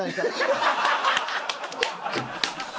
ハハハハ！